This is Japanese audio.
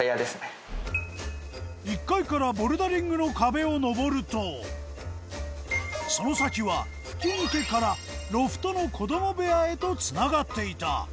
１階からボルダリングの壁を登るとその先は吹き抜けからロフトの子ども部屋へと繋がっていた